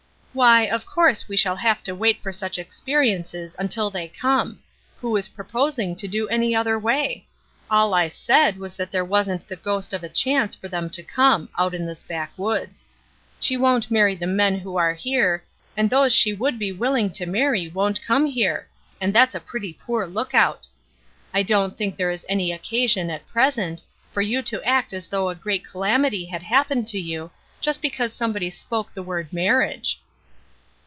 "Why, of course, we shall have to wait for such experiences, until they come. Who is pro posing to do any other way? All I said was HOUSEHOLD QUESTIONINGS 301 that there wasn't the ghost of a chance for them to come — out in this backwoods. She won't marry the men who are here, and those she would be willing to marry won't come here; and it's a pretty poor lookout. I don't think there is any occasion, at present, for you to act as though a great calamity had happened to you, just because somebody spoke the word 'mar riage.'